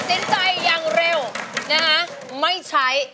สินใจอย่างเร็วนะฮะไม่ใช้